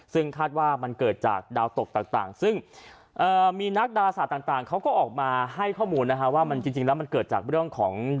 ซึ่งคาดว่ามันเกิดจากดาวตกต่าง